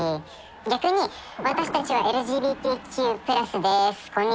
逆に私たちはＬＧＢＴＱ＋です